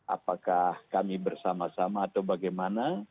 apakah kami bersama sama atau bagaimana